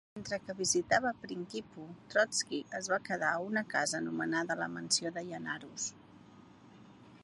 Mentre que visitava Prinkipo, Trotsky es va quedar a una casa anomenada la mansió de Yanaros.